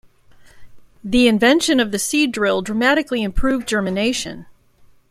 The invention of the seed drill dramatically improved germination.